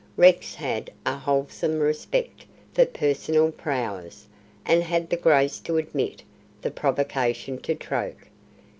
Rex had a wholesome respect for personal prowess, and had the grace to admit the provocation to Troke.